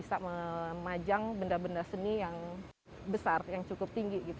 ada suatu area yang bisa memajang benda benda seni yang besar yang cukup tinggi gitu